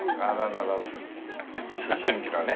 思春期のね。